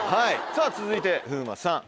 さぁ続いて風磨さん。